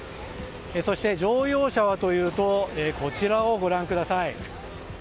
そして、乗用車はというとこちらをご覧ください。